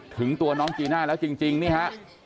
ถึงตัวน้องจีน่าแล้วจริงนี่ฮะ